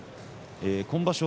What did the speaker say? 今場所